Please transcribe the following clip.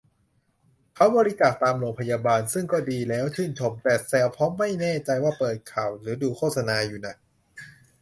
เขาบริจาคตามโรงพยาบาล ซึ่งก็ดีแล้ว ชื่นชม แต่แซวเพราะไม่แน่ใจว่าเปิดดูข่าวหรือดูโฆษณาอยู่น่ะ